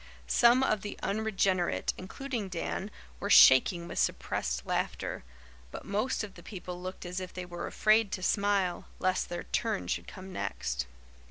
Some of the unregenerate, including Dan, were shaking with suppressed laughter, but most of the people looked as if they were afraid to smile, lest their turn should come next.